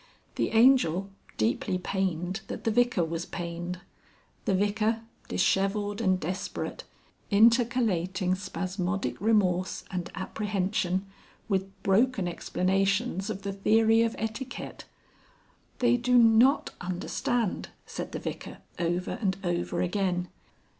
The Angel, deeply pained that the Vicar was pained. The Vicar, dishevelled and desperate, intercalating spasmodic remorse and apprehension with broken explanations of the Theory of Etiquette. "They do not understand," said the Vicar over and over again.